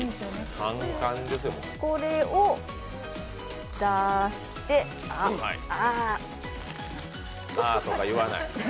これを出して、ああああとか言わない。